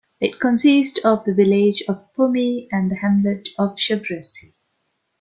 It consists of the village of Pomy and the hamlet of Chevressy.